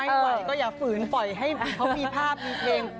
ไม่ไหวก็อย่าฝืนปล่อยให้เขามีภาพมีเพลง